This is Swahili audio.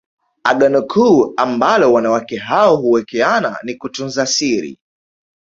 Agano kuu ambalo wanawake hao huwekeana ni kutunza siri